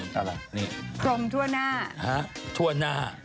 คลมทั่วหน้า